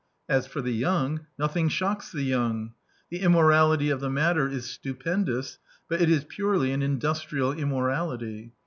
As for the young, nothing shocks the young. The immorality of the matter is stupen dous ; but it is purely an industrial immorality.